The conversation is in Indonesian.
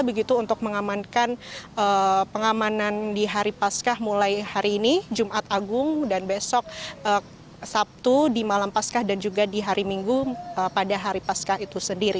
begitu untuk mengamankan pengamanan di hari paskah mulai hari ini jumat agung dan besok sabtu di malam pascah dan juga di hari minggu pada hari paskah itu sendiri